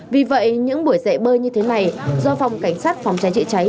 vì vậy những buổi dạy bơi như thế này do phòng cảnh sát phòng trái trị cháy